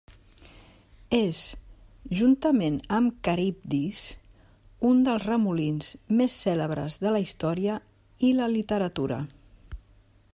És, juntament amb Caribdis, un dels remolins més cèlebres de la història i la literatura.